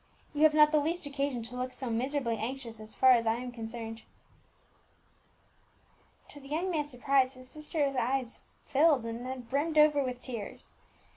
You have not the least occasion to look so miserably anxious as far as I am concerned." To the young man's surprise, his sister's eyes filled and then brimmed over with tears.